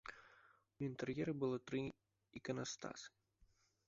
У інтэр'еры было тры іканастасы.